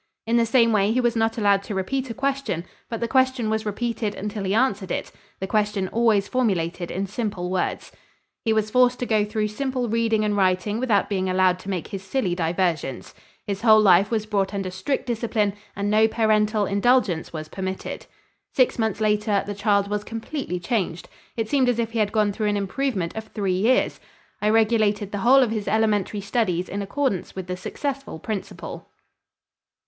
In the same way he was not allowed to repeat a question, but the question was repeated until he answered it, the question always formulated in simple words. He was forced to go through simple reading and writing without being allowed to make his silly diversions. His whole life was brought under strict discipline and no parental indulgence was permitted. Six months later the child was completely changed. It seemed as if he had gone through an improvement of three years. I regulated the whole of his elementary studies in accordance with the successful principle.